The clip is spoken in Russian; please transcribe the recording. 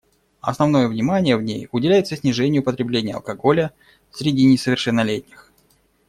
Основное внимание в ней уделяется снижению потребления алкоголя среди несовершеннолетних.